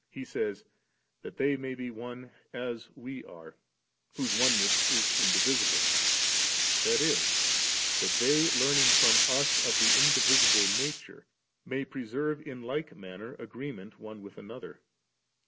He says, *that they may be one as We are,' whose oneness is indivisible ; that is, that they learning from us of that indivisible Nature, may preserve in like manner agreement one with another.